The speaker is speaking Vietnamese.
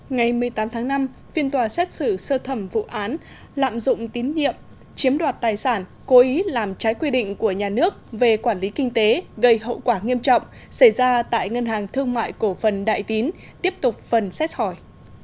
ngày một mươi tám tháng năm phiên tòa xét xử sơ thẩm vụ án lạm dụng tín nhiệm chiếm đoạt tài sản cố ý làm trái quy định của nhà nước về quản lý kinh tế gây hậu quả nghiêm trọng xảy ra tại ngân hàng thương mại cổ phần đại tín tiếp tục phần xét hỏi